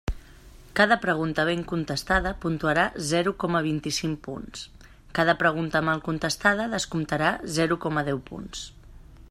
Cada pregunta ben contestada puntuarà zero coma vint-i-cinc punts; cada pregunta mal contestada descomptarà zero coma deu punts.